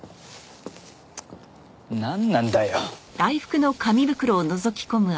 なんなんだよ！